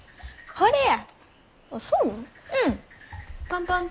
これや。